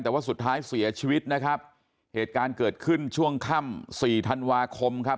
แต่ว่าสุดท้ายเสียชีวิตนะครับเหตุการณ์เกิดขึ้นช่วงค่ำสี่ธันวาคมครับ